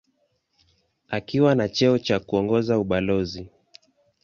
Akiwa na cheo cha kuongoza ubalozi.